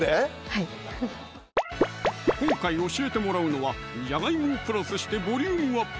はい今回教えてもらうのはじゃがいもをプラスしてボリュームアップ！